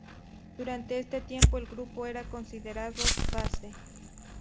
Durante este tiempo el grupo era considerado "face".